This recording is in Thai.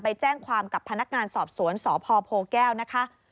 ไปแจ้งความกับพนักงานสอบสวนสพโพแก้วนะคะ